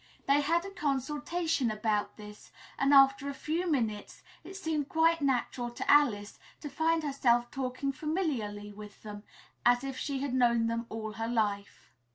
They had a consultation about this and after a few minutes, it seemed quite natural to Alice to find herself talking familiarly with them, as if she had known them all her life.